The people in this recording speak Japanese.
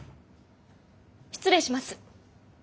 失礼します。